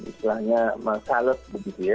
istilahnya salad begitu ya